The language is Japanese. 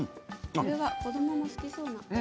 これは子どもも好きそうな。